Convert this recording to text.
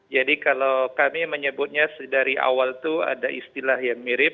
jadi kalau kami menyebutnya dari awal itu ada istilah yang mirip